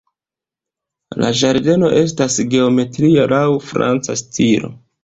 La ĝardeno estas geometria laŭ franca stilo.